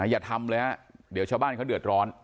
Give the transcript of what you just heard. อย่าทำเลยฮะเดี๋ยวชาวบ้านเขาเดือดร้อน